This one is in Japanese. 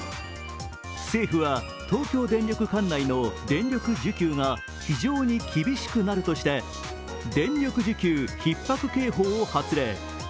政府は東京電力管内の電力需給が非常に厳しくなるとして電力需給ひっ迫警報を発令。